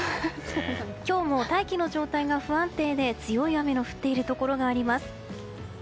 今日も大気の状態が不安定で強い雨の降っているところがあります。